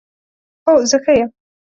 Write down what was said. هو، زه ښه یم